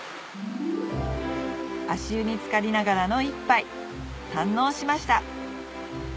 足湯に漬かりながらの一杯堪能しました